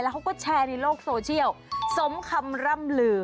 เขาก็แชร์ในโลกโซเชียลสมคำร่ำลือ